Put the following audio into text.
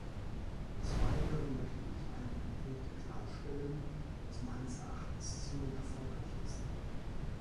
Des Weiteren möchte ich einige Punkte klarstellen, was meines Erachtens zwingend erforderlich ist.